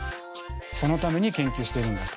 そのために研究してるんだと。